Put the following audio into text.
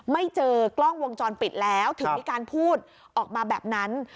ไม่เจอกล้องวงจรปิดแล้วถึงมีการพูดออกมาแบบนั้น